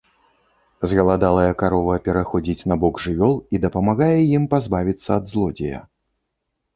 Згаладалая карова пераходзіць на бок жывёл і дапамагае ім пазбавіцца ад злодзея.